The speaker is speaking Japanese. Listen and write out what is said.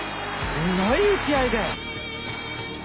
すごい打ち合いで。